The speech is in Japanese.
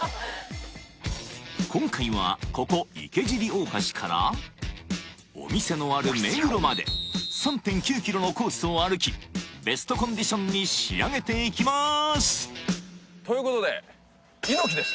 今回はここ池尻大橋からお店のある目黒まで３．９キロのコースを歩きベストコンディションに仕上げていきます